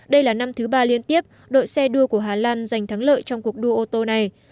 đây là năm thứ ba liên tiếp đội xe đua của hà lan giành thắng lợi trong cuộc đua ô tô này